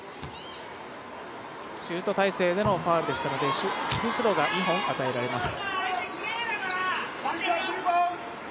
シュート体勢でのファウルでしたのでフリースロー、２本与えられます。